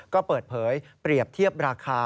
ก็เปิดเผยเปรียบเทียบราคา